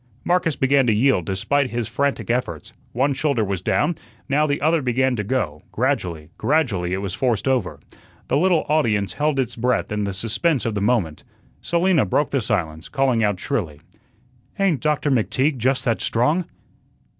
Marcus began to yield despite his frantic efforts. One shoulder was down, now the other began to go; gradually, gradually it was forced over. The little audience held its breath in the suspense of the moment. Selina broke the silence, calling out shrilly: "Ain't Doctor McTeague just that strong!"